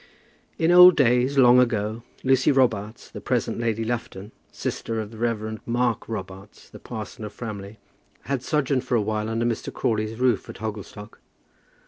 In old days, long ago, Lucy Robarts, the present Lady Lufton, sister of the Rev. Mark Robarts, the parson of Framley, had sojourned for a while under Mr. Crawley's roof at Hogglestock.